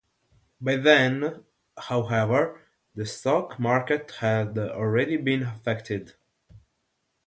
By then, however, the stock market had already been affected.